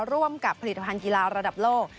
ร่วมกับผลิตภัณฑ์กีฬาระดับโลก